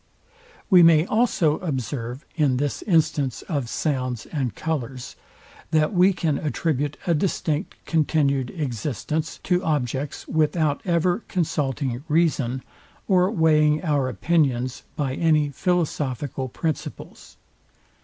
We may also observe in this instance of sounds and colours, that we can attribute a distinct continued existence to objects without ever consulting REASON, or weighing our opinions by any philosophical principles.